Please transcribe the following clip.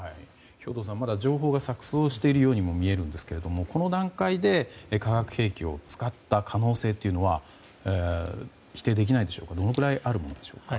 兵頭さん、まだ情報が錯綜しているようにも見えるんですがこの段階で化学兵器を使った可能性は否定できないでしょうがどれくらいあるのでしょうか。